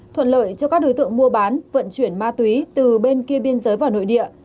thuận lợi cho các đối tượng mua bán vận chuyển ma túy từ bên kia biên giới vào nội địa